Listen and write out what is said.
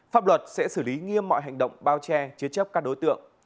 pháp luật sẽ xử lý nghiêm mọi hành động bao che chế chấp các đối tượng